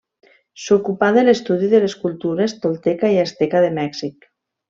S'ocupà de l'estudi de les cultures tolteca i asteca de Mèxic.